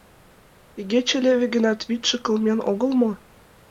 Игече леве гынат, вӱдшӧ кылмен огыл мо?